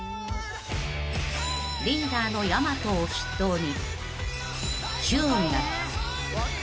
［リーダーのやまとを筆頭に］